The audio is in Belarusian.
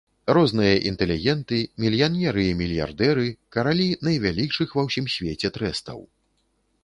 Розныя інтэлігенты, мільянеры і мільярдэры, каралі найвялікшых ва ўсім свеце трэстаў.